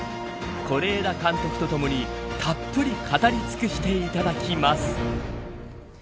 是枝監督とともにたっぷり語り尽くしていただきます。